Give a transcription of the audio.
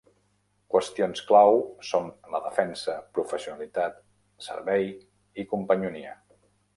Qüestions clau son la defensa, professionalitat, servei i companyonia.